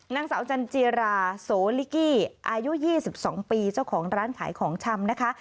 นางสาวจันจิราโสลิกี้อายุ๒๒ปีเจ้าของร้านขายของชำนะคะ